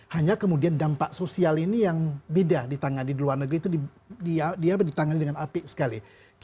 hanya kemudian dampak sosial ini yang beda ditangani di luar negeri itu ditangani dengan api sekali